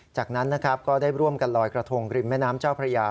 จากนั้นนะครับก็ได้ร่วมกันลอยกระทงริมแม่น้ำเจ้าพระยา